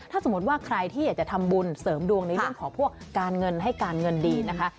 ถ้าสมมติว่าใครที่อยากจะทำบุญเสริมดวงในเรื่องของพวกการเงินให้การเงินดีนะคะ